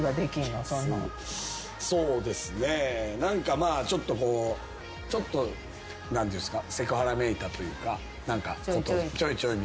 そうですね何かまあちょっとこうちょっと何ていうんですかセクハラめいたというか何か。